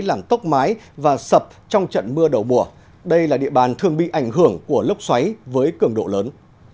làng tốc mái và sập trong trận mưa đầu mùa đây là địa bàn thường bị ảnh hưởng của lốc xoáy với cường độ lớn